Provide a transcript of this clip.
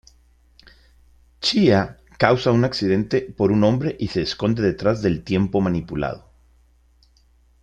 Chae-ah causa un accidente por un hombre y se esconde detrás del tiempo manipulado.